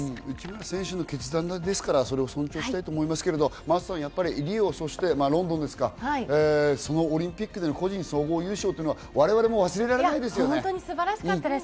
内村選手の決断ですから、それを尊重したいともいますが、リオ、ロンドン、そのオリンピックで個人総合優勝というのは我々も忘れられないですね。